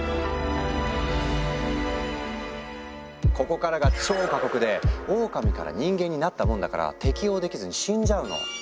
ここからが超過酷でオオカミから人間になったもんだから適応できずに死んじゃうの。